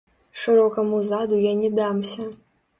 Шырокаму заду я не дамся.